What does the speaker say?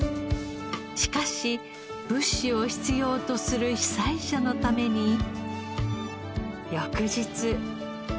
しかし物資を必要とする被災者のために。